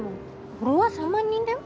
フォロワー３万人だよ。